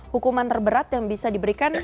hukuman terberat yang bisa diberikan